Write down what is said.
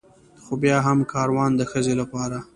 خو بيا هم کاروان د ښځې لپاره